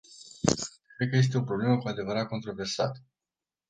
Cred că este o problemă cu adevărat controversat.